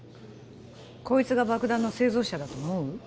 こいつが爆弾の製造者だと思う？